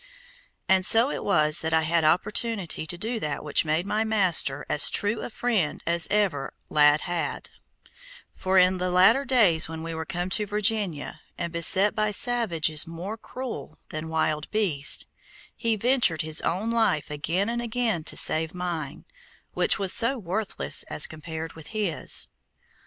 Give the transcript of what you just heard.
And so it was that I had opportunity to do that which made my master as true a friend as ever lad had, for in the later days when we were come to Virginia and beset by savages more cruel than wild beasts, he ventured his own life again and again to save mine, which was so worthless as compared with his.